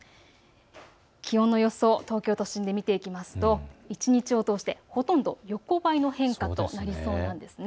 気温の予想、東京都心で見ていきますと一日を通してほとんど横ばいの変化となりそうなんです。